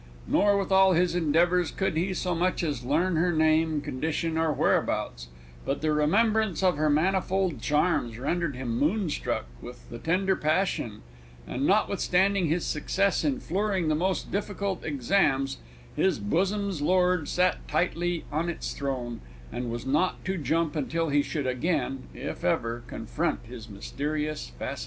Nor with all his endeavours could he so much as learn her name, condition, or whereabouts, but the remembrance of her manifold charms rendered him moonstruck with the tender passion, and notwithstanding his success in flooring the most difficult exams, his bosom's lord sat tightly on its throne, and was not to jump until he should again (if ever) confront his mysterious fascinator.